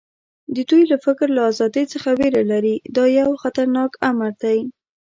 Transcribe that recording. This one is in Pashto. دوی د فکر له ازادۍ څخه وېره لري او دا یو خطرناک امر دی